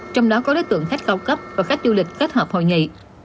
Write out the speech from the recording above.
trong đó có đối tượng khách cao cấp và khách du lịch kết hợp hội nghị